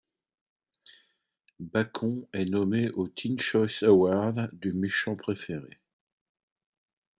Bacon est nommé au Teen Choice Award du méchant préféré.